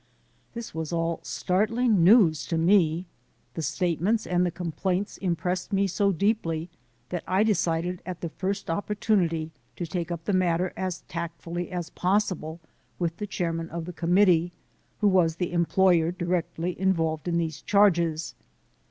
This was all startling news to me. The statements and the complaints impressed me so deeply that I decided at the first opportunity to take up the matter as tactfully as possible with the chairman of the committee, who STUMBLING BLOCKS 209 was the employer directly involved in these charges.